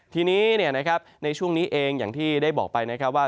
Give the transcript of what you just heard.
ทีนี้ในช่วงนี้เองอย่างที่ได้บอกไปนะครับว่า